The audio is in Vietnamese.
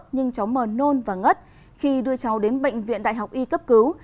nhưng cháu mờ nôn và ngất khi đưa cháu đến bệnh viện đại học y cấp cứu